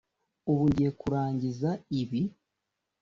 ubu ngiye kurangiza ibi,